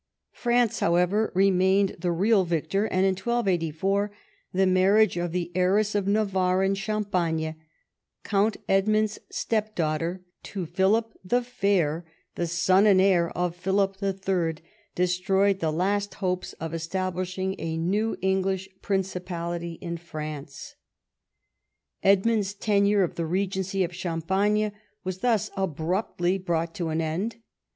France, however, remained the real victor, and in 1284 the marriage of the heiress of Navarre and Champagne, Count Edmund's step daughter, to Philip the Fair, the son and heir of Philij) III., destroyed the last hopes of establishing a new English principality in France. Edmund's tenure of the regency of Champagne Avas thus abruptly brought to an end.